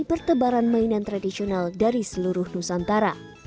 pertebaran mainan tradisional dari seluruh nusantara